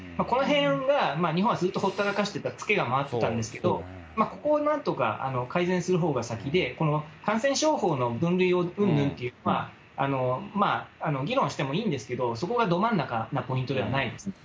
このへんが日本はずっとほったらかしていた付けが回ってきたんですけど、ここをなんとか改善するほうが先で、この感染症法の分類をうんぬんっていうのは、まあ議論してもいいんですけど、そこがど真ん中なポイントではないです。